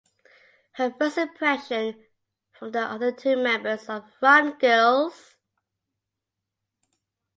Her first impression from the other two members of Run Girls!